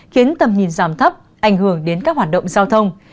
khiến tầm nhìn giảm thấp ảnh hưởng đến các hoạt động giao thông